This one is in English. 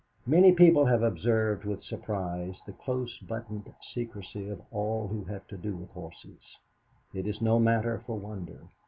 Many people have observed with surprise the close buttoned secrecy of all who have to do with horses. It is no matter for wonder.